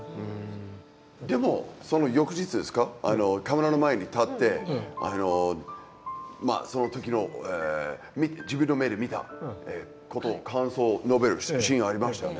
でもその翌日ですかカメラの前に立ってその時の自分の目で見たことを感想を述べるシーンありましたよね